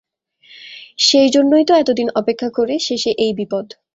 সেইজন্যেই তো এতদিন অপেক্ষা করে শেষে এই বিপদ।